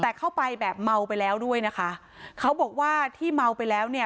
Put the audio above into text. แต่เข้าไปแบบเมาไปแล้วด้วยนะคะเขาบอกว่าที่เมาไปแล้วเนี่ย